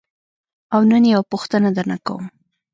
او نن یوه پوښتنه درنه کوم.